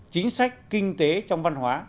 chính sách kinh tế trong văn hóa